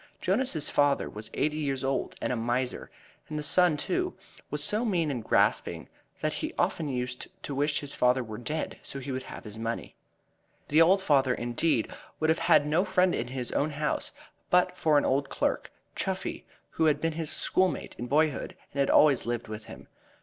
Jonas's father was eighty years old and a miser, and the son, too, was so mean and grasping that he often used to wish his father were dead so he would have his money. The old father, indeed, would have had no friend in his own house but for an old clerk, Chuffey, who had been his schoolmate in boyhood and had always lived with him.